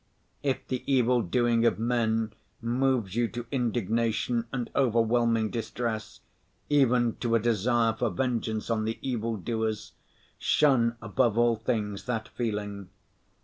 If the evil‐doing of men moves you to indignation and overwhelming distress, even to a desire for vengeance on the evil‐doers, shun above all things that feeling.